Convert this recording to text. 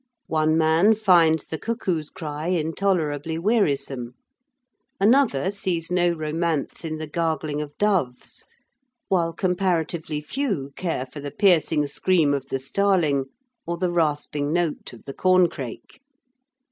One man finds the cuckoo's cry intolerably wearisome. Another sees no romance in the gargling of doves, while comparatively few care for the piercing scream of the starling or the rasping note of the corncrake.